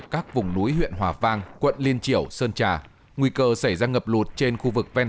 các vùng núi huyện hòa vang quận liên triểu sơn trà nguy cơ xảy ra ngập lụt trên khu vực ven